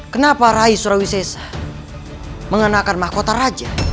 kenapa rai surawisesa mengenakan mahkota raja